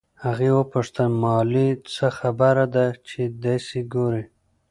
هغې وپوښتل مالې څه خبره ده چې دسې ګورې.